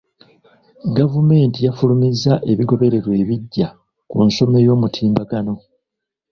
Gavumenti yafulumizza ebigobererwa ebiggya ku nsoma ey'omutimbagano.